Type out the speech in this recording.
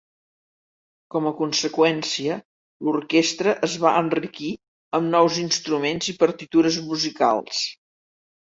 Com a conseqüència, l'orquestra es va enriquir amb nous instruments i Partitures musicals.